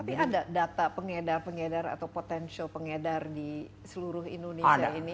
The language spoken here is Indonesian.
tapi ada data pengedar pengedar atau potensial pengedar di seluruh indonesia ini